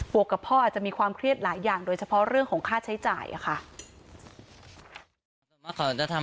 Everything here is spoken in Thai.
วกกับพ่ออาจจะมีความเครียดหลายอย่างโดยเฉพาะเรื่องของค่าใช้จ่ายค่ะ